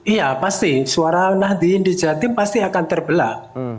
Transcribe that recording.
iya pasti suara nahdi indijati pasti akan terbelak